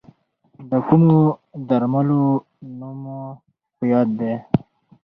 د کومو درملو نوم مو په یاد دی؟